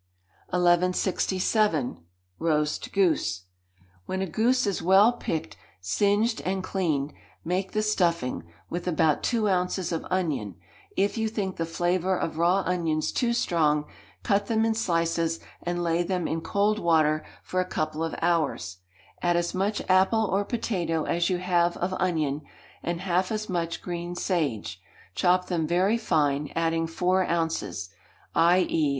1167. Roast Goose. When a goose is well picked, singed, and cleaned, make the stuffing, with about two ounces of onion if you think the flavour of raw onions too strong, cut them in slices, and lay them in cold water for a couple of hours, add as much apple or potato as you have of onion, and half as much green sage, chop them very fine, adding four ounces, _i.e.